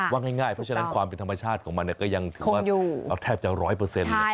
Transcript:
ว่าง่ายเพราะฉะนั้นความเป็นธรรมชาติของมันก็ยังถือว่าแทบจะร้อยเปอร์เซ็นต์เลย